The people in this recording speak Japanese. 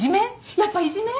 やっぱいじめ？